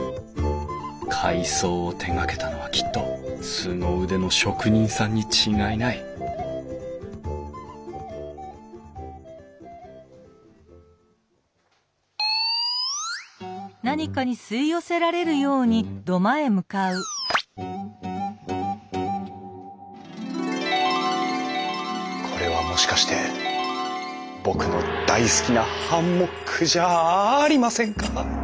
改装を手がけたのはきっとすご腕の職人さんに違いないこれはもしかして僕の大好きなハンモックじゃありませんか！